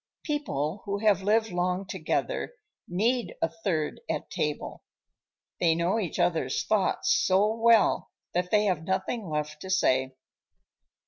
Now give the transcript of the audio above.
People who have lived long together need a third at table: they know each other's thoughts so well that they have nothing left to say.